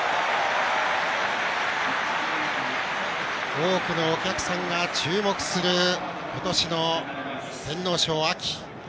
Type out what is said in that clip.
多くのお客さんが注目する今年の天皇賞。